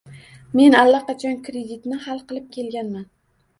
Men allaqachon kreditni hal qilib kelganman